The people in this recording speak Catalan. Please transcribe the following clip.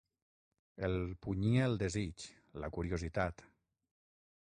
El punyia el desig, la curiositat.